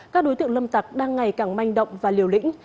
các đối tượng lâm tặc đang ngày càng manh động và liều lĩnh